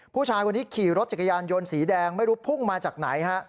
ผู้ชายคนนี้ขี่รถจักรยานยนต์สีแดงไม่รู้พุ่งมาจากไหนฮะ